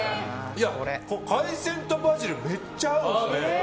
海鮮とバジルめっちゃ合うんですね。